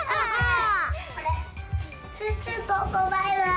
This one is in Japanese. シュッシュポッポバイバイ！